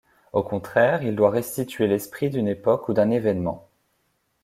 Au contraire, il doit restituer l’esprit d’une époque ou d’un événement.